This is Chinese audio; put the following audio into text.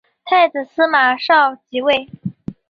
太子司马绍即位。